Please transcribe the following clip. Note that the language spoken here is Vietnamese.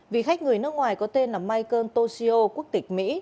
vì khách người nước ngoài có tên là michael toshio quốc tịch mỹ